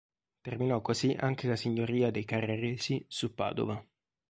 Terminò così anche la signoria dei Carraresi su Padova.